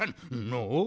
のう？